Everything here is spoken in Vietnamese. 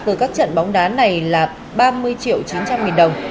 từ các trận bóng đá này là ba mươi triệu chín trăm linh nghìn đồng